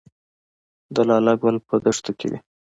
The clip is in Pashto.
د لاله ګل په دښتو کې وي